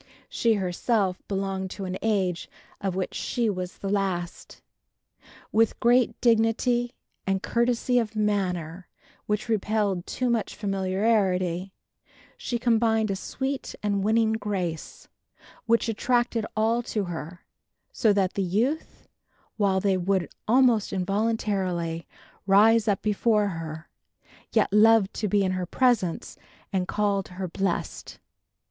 She herself belonged to an age of which she was the last. With great dignity and courtesy of manner which repelled too much familiarity, she combined a sweet and winning grace, which attracted all to her, so that the youth, while they would almost involuntarily 'rise up before her,' yet loved to be in her presence and called her blessed.